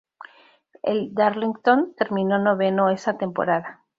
El Darlington terminó noveno esa temporada.